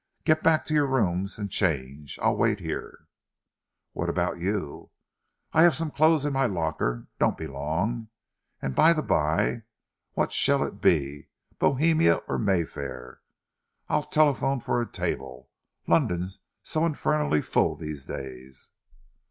Get back to your rooms and change. I'll wait here." "What about you?" "I have some clothes in my locker. Don't be long. And, by the bye, which shall it be Bohemia or Mayfair? I'll telephone for a table. London's so infernally full, these days."